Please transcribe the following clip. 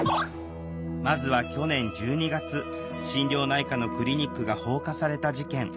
まずは去年１２月心療内科のクリニックが放火された事件。